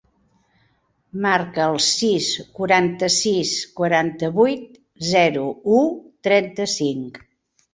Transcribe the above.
Marca el sis, quaranta-sis, quaranta-vuit, zero, u, trenta-cinc.